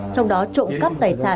trong đó trộm cắp tài sản